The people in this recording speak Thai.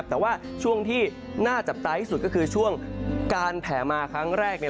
แต่ว่าช่วงที่น่าจับตาที่สุดก็คือช่วงการแผ่มาครั้งแรก